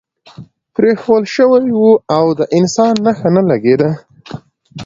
پرېښوول شوی و او د انسان نښه نه لګېده.